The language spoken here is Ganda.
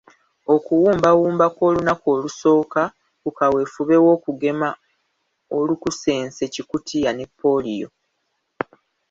Okuwumbawumba kw'olunaku olusooka ku kaweedube w'okugema Olukusense-Kikutiya ne Ppooliyo.